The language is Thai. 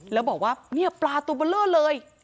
แล้วบอกว่าเนี่ยปลาตัวเบลอเลย